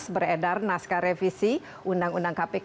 beredar naskah revisi undang undang kpk